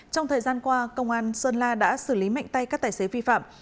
trong thời gian qua công an sơn la đã xử lý mạnh tay các tài xế vi phạm